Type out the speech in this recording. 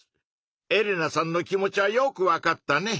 エレナさんの気持ちはよくわかったね。